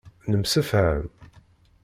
Nemsefham.